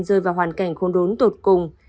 rơi vào hoàn cảnh khôn đốn tột cùng